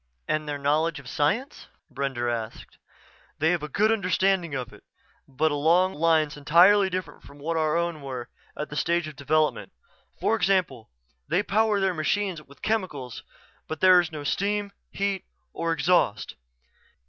"And their knowledge of science?" Brender asked. "They have a good understanding of it, but along lines entirely different from what our own were at their stage of development. For example: they power their machines with chemicals but there is no steam, heat, or exhaust."